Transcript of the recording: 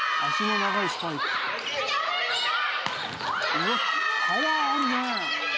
うわっパワーあるね。